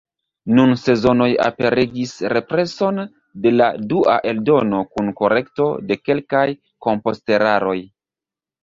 Nun Sezonoj aperigis represon de la dua eldono kun korekto de kelkaj komposteraroj.